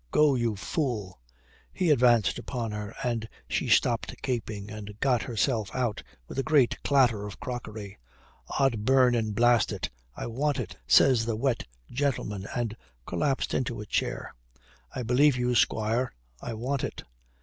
"Go, you fool." He advanced upon her, and she stopped gaping, and got herself out with a great clatter of crockery. "Od burn and blast it! I want it," says the wet gentleman, and collapsed into a chair. "I believe you, squire. I want it."